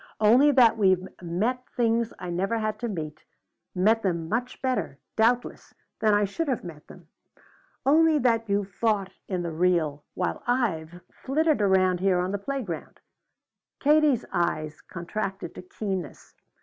Only that you've met things I never had to meet, met them much better, doubtless, than I should have met them. Only that you've fought in the real, while I've flitted around here on the playground." Katie's eyes contracted to keenness.